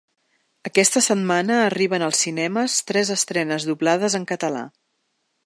Aquesta setmana arriben als cinemes tres estrenes doblades en català.